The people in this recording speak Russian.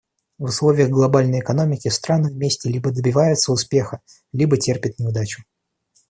В условиях глобальной экономики страны вместе либо добиваются успеха, либо терпят неудачу.